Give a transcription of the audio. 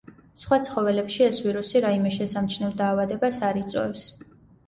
სხვა ცხოველებში ეს ვირუსი რაიმე შესამჩნევ დაავადებას არ იწვევს.